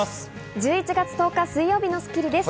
１１月１０日、水曜日の『スッキリ』です。